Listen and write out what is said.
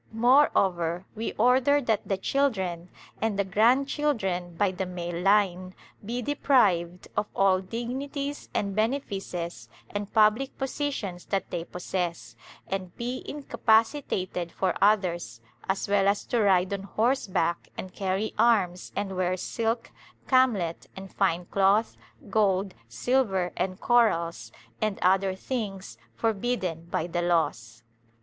Moreover we order that the children and the grandchildren by the male line, be deprived of all dignities and benefices and public positions that they possess, and be incapacitated for others, as well as to ride on horseback and carry arms and wear silk, camlet and fine cloth, gold, silver and corals and other things forbidden by the laws."